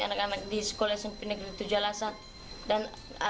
anak anak di sekolah smp negeri tujuh alasan dan